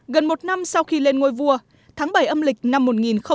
gần một năm sau khi lên ngôi vua tháng bảy âm lịch năm một nghìn một mươi